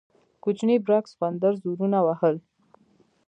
کوچني برګ سخوندر زورونه وهل.